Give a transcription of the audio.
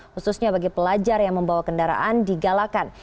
khususnya bagi pelajar yang membawa kendaraan digalakan